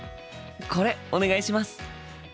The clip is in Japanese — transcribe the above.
これお願いします。